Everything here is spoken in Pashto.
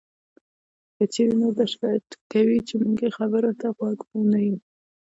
که چېرې نور دا شکایت کوي چې مونږ یې خبرو ته غوږ نه یو